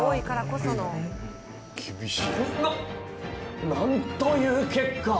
ななんという結果！